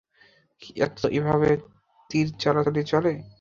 এভাবে তীর চালাচালি চলে।